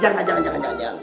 jangan jangan jangan